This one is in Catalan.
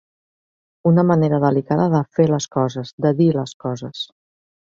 Una manera delicada de fer les coses, de dir les coses.